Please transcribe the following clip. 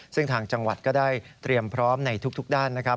ซึ่งทางจังหวัดก็ได้เตรียมพร้อมในทุกด้านนะครับ